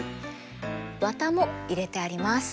綿も入れてあります。